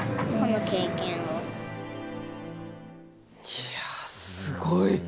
いやすごい！